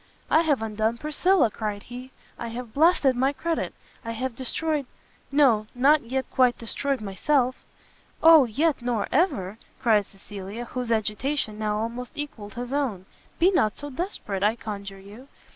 "I have undone Priscilla!" cried he, "I have blasted my credit! I have destroyed no, not yet quite destroyed myself!" "O yet nor ever!" cried Cecilia, whose agitation now almost equalled his own, "be not so desperate, I conjure you!